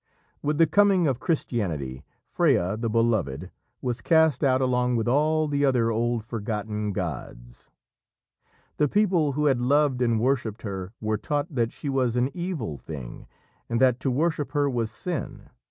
With the coming of Christianity, Freya, the Beloved, was cast out along with all the other old forgotten gods. The people who had loved and worshipped her were taught that she was an evil thing and that to worship her was sin.